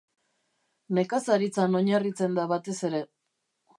Nekazaritzan oinarritzen da batez ere.